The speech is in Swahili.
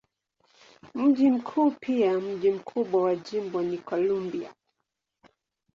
Mji mkuu pia mji mkubwa wa jimbo ni Columbia.